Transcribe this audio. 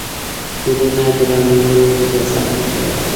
کورونو د رانیولو اجازه ورکړه شوه.